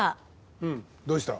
うんどうした？